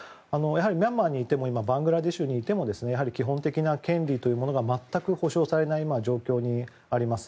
ミャンマーにいてもバングラデシュにいてもやはり基本的な権利というものが全く保障されない状況にあります。